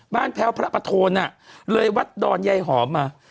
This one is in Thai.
บ้านแพ้วพระปโฑนเลยวัดดอนไยหอมมา